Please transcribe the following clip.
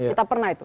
kita pernah itu